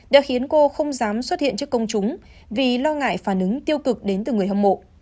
đã khiến cô không dám xuất hiện trước công chúng vì lo ngại phản ứng tiêu cực đến từ người hâm mộ